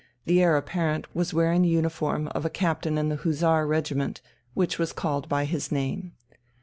The Heir Apparent was wearing the uniform of a captain in the Hussar regiment which was called by his name.